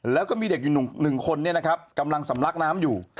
แล้วก็มีเด็กอยู่๑คนกำลังสำลักน้ำอยู่